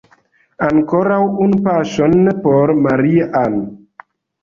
Ankoraŭ unu paŝon por Maria-Ann!